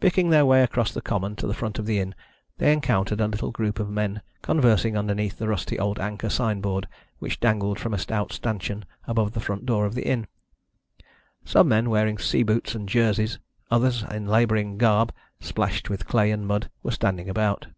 Picking their way across the common to the front of the inn, they encountered a little group of men conversing underneath the rusty old anchor signboard which dangled from a stout stanchion above the front door of the inn. Some men, wearing sea boots and jerseys, others in labouring garb, splashed with clay and mud, were standing about.